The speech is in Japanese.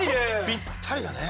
ぴったりだね。